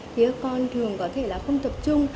thì các con thường có thể là không tập trung